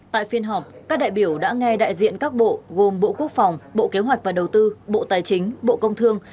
tại phiên họp các đại biểu đã nghe đại diện các bộ gồm bộ quốc phòng bộ kế hoạch và đầu tư bộ tài chính bộ công thương